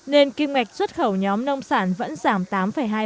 nên kim ngạch xuất khẩu nhóm nông sản vẫn giảm tám hai so với cùng kỳ